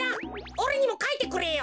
おれにもかいてくれよ。